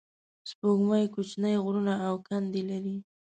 سپوږمۍ کوچنۍ غرونه او کندې لري